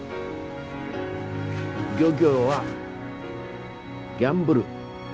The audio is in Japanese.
漁業はギャンブル。